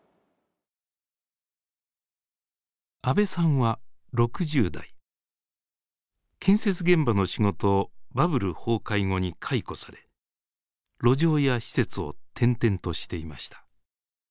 阿部さんは６０代建設現場の仕事をバブル崩壊後に解雇され路上や施設を転々としていました。